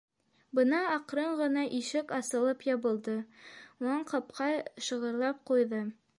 Бына аҡрын ғына ишек асылып ябылды, унан ҡапҡа шығырлап ҡуйҙы.